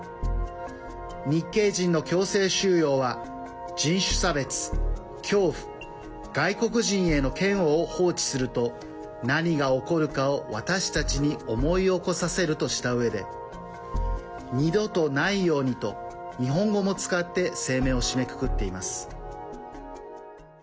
日系人の強制収容は人種差別、恐怖外国人への嫌悪を放置すると何が起こるかを私たちに思い起こさせるとしたうえで二度とないようにと日本語も使って声明を締めくくっています。